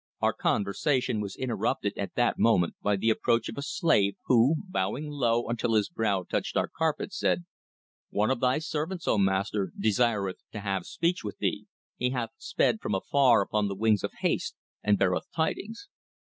Our conversation was interrupted at that moment by the approach of a slave who, bowing low until his brow touched our carpet, said: "One of thy servants, O Master, desireth to have speech with thee. He hath sped from afar upon the wings of haste and beareth tidings."